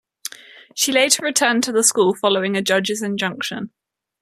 She later returned to the school following a judge's injunction.